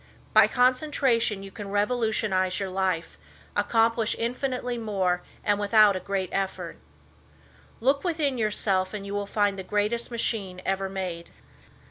By concentration you can revolutionize your life, accomplish infinitely more and without a great effort. Look within yourself and you will find the greatest machine ever made.